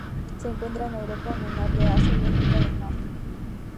Se encuentra en Europa, Menor de Asia y África Del norte.